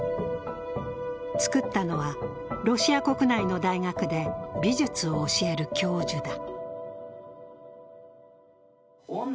作ったのは、ロシア国内の大学で美術を教える教授だ。